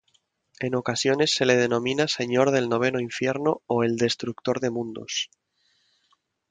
En ocasiones se le denomina "Señor del noveno infierno" o "el Destructor de mundos".